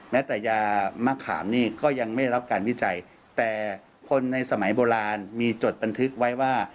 แม้แต่ยามะขามนี่ก็ยังไม่ได้รับการวิจัยแต่คนในสมัยโบราณมีจดบันทึกไว้ว่า